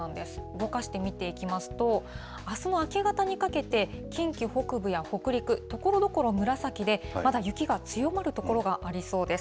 動かして見ていきますと、あすの明け方にかけて、近畿北部や北陸、ところどころ紫で、まだ雪が強まる所がありそうです。